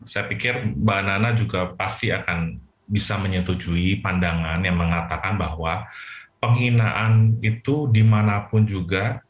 saya pikir mbak nana juga pasti akan bisa menyetujui pandangan yang mengatakan bahwa penghinaan itu dimanapun juga